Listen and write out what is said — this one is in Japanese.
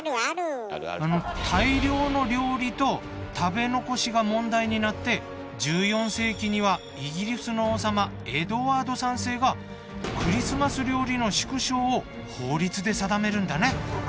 大量の料理と食べ残しが問題になって１４世紀にはイギリスの王様エドワード３世がクリスマス料理の縮小を法律で定めるんだね。